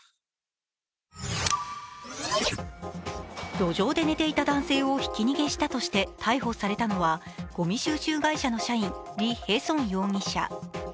路上で寝ていた男性をひき逃げしたとして逮捕されたのは、ごみ収集会社の社員、李海成容疑者。